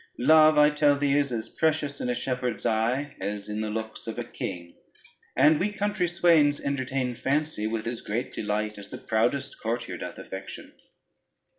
Love, I tell thee, is as precious in a shepherd's eye, as in the looks of a king, and we country swains entertain fancy with as great delight as the proudest courtier doth affection.